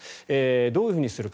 どういうふうにするか。